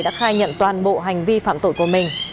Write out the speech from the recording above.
đã khai nhận toàn bộ hành vi phạm tội của mình